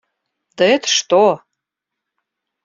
Да это что!